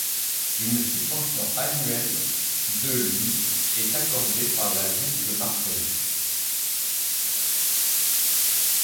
Une subvention annuelle de lui est accordée par la ville de Marseille.